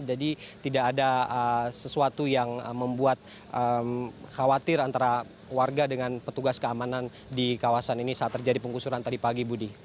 jadi tidak ada sesuatu yang membuat khawatir antara warga dengan petugas keamanan di kawasan ini saat terjadi penggusuran tadi pagi budi